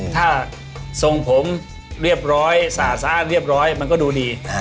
ถ้าทรงผมเรียบร้อยสะอาดเรียบร้อยมันก็ดูดี